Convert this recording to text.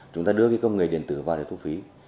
chúng ta đưa công nghệ điện tử vào để thu phí